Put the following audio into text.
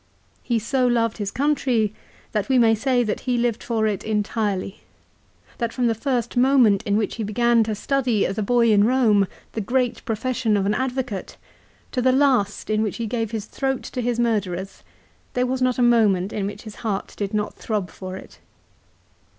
He so loved his country that we may say that he lived for it entirely, that from the first moment in which he began to study as a boy in Home the great profession of an advocate to the last in which he gave his throat to his murderers, there was not a moment in which his heart did not throb for it.